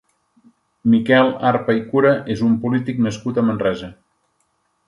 Miquel Arpa i Cura és un polític nascut a Manresa.